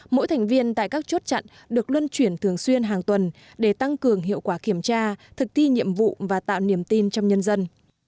mỗi thành viên tại các chốt chặn được luân chuyển thường xuyên hàng tuần để tăng cường hiệu quả kiểm tra thực thi nhiệm vụ và tạo niềm tin trong nhân dân